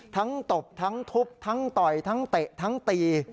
ตบทั้งทุบทั้งต่อยทั้งเตะทั้งตี